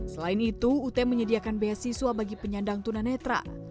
selain itu ut menyediakan beasiswa bagi penyandang tunan netra